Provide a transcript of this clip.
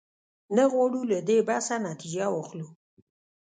نه غواړو له دې بحثه نتیجه واخلو.